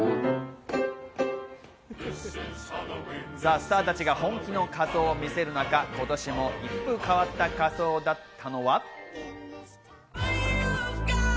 スターたちが本気の仮装を見せる中、今年も一風変わった仮装だったのは。